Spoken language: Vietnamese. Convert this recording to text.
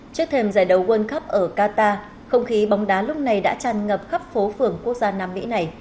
trước thêm giải đấu world cup ở qatar không khí bóng đá lúc này đã tràn ngập khắp phố phường quốc gia nam mỹ này